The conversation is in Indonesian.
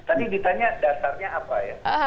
tadi ditanya dasarnya apa ya